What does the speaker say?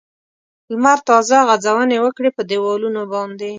لمر تازه غځونې وکړې په دېوالونو باندې.